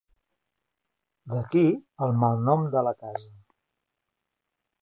D'aquí el malnom de la casa.